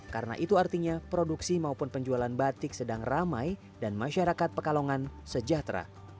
karena itu artinya produksi maupun penjualan batik sedang ramai dan masyarakat pekalongan sejahtera